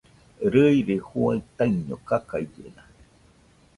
Rɨire juaɨ taiño kakaillena